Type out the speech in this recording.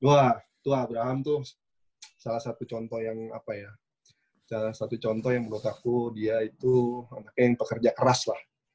wah tuh abraham tuh salah satu contoh yang apa ya salah satu contoh yang menurut aku dia itu anak yang pekerja keras lah